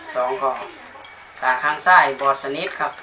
สองก็ตาข้างใสบอสนิทครับ